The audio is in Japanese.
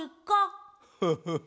フフフフ。